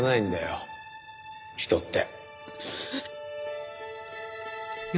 人って。